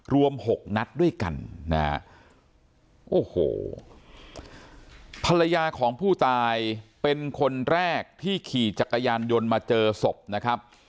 หกนัดด้วยกันนะฮะโอ้โหภรรยาของผู้ตายเป็นคนแรกที่ขี่จักรยานยนต์มาเจอศพนะครับ